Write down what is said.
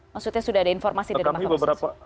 maksudnya sudah ada informasi dari mk